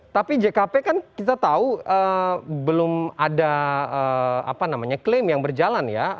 tapi jkp kan kita tahu belum ada klaim yang berjalan ya